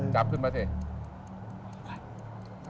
จับขึ้นมาสิ